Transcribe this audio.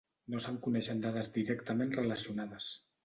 No se'n coneixen dades directament relacionades.